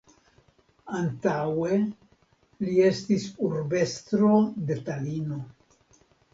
Antaŭe li estis urbestro de Talino.